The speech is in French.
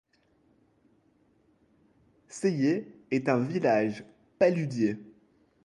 Saillé est un village paludier.